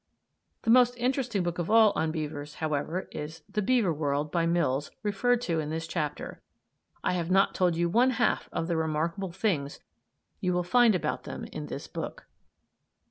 The most interesting book of all on beavers, however, is "The Beaver World," by Mills, referred to in this chapter. I have not told you one half of the remarkable things you will find about them in this book.